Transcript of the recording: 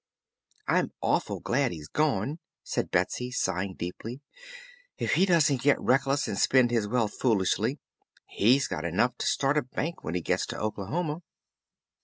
"I'm awful glad he's gone," said Betsy, sighing deeply. "If he doesn't get reckless and spend his wealth foolishly, he's got enough to start a bank when he gets to Oklahoma."